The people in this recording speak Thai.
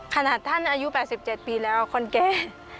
ขนาดท่านอายุ๘๗ปีแล้วคนแก่